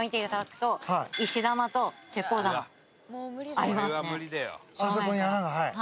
あそこに穴がはい。